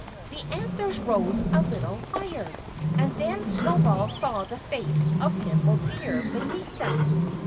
The antlers rose a little higher. And then Snowball saw the face of Nimble Deer beneath them.